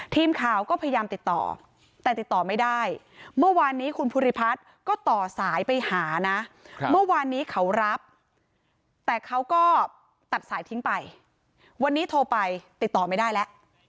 ทีมข่าวก็พยายามติดต่อแต่ติดต่อไม่ได้เมื่อวานนี้คุณภูริพัฒน์ก็ต่อสายไปหานะเมื่อวานนี้เขารับแต่เขาก็ตัดสายทิ้งไปวันนี้โทรไปติดต่อไม่ได้แล้ว